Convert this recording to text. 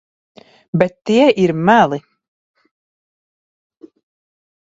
Bet tie ir meli.